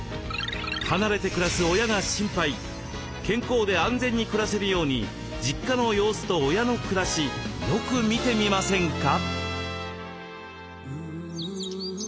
健康で安全に暮らせるように実家の様子と親の暮らしよく見てみませんか？